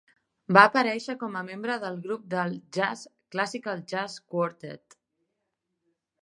Va aparèixer com a membre del grup de jazz Classical Jazz Quartet.